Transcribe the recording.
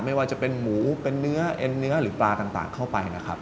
ไม่ว่าจะเป็นหมูเป็นเนื้อเอ็นเนื้อหรือปลาต่างเข้าไปนะครับ